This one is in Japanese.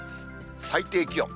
最低気温。